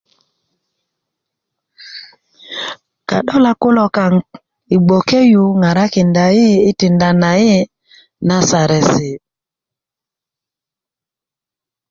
ka'dolak kulokaaŋi gboke yu ŋarakinda yi' yi tinda na yi' na saresi'